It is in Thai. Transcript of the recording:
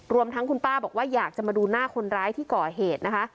รวมทั้งคุณป้าบอกว่าอยากจะมาดูหน้าคนร้ายที่ก่อเหตุนะคะ